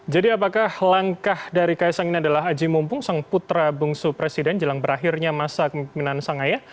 jadi apakah langkah dari kaisang ini adalah aji mumpung sang putra bungsu presiden jelang berakhirnya masa kemimpinan sangaya